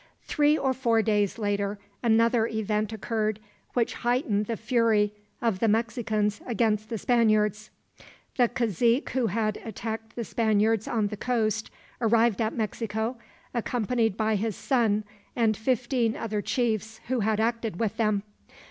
Three or four days later, another event occurred which heightened the fury of the Mexicans against the Spaniards. The cazique who had attacked the Spaniards on the coast arrived at Mexico, accompanied by his son and fifteen other chiefs who had acted with them.